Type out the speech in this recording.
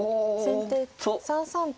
先手３三と。